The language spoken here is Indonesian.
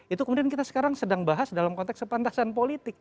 itu kemudian kita sekarang sedang bahas dalam konteks kepantasan politik